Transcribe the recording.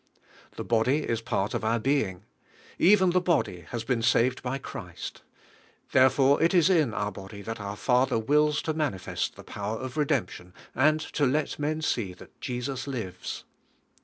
The body is part of our being; even the body has been saved by Christ, therefore it is in our body that our Father wills to manifest the power of i edemptdon, and to let men see that Jesus lives.